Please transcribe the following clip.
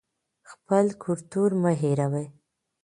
خپل کلتور مه هېروئ.